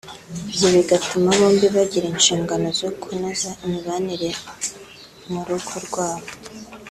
bityo bigatuma bombi bagira inshingano zo kunoza imibanire mu rugo rwabo